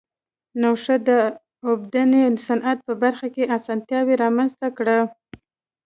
نوښت د اوبدنې صنعت په برخه کې اسانتیا رامنځته کړه.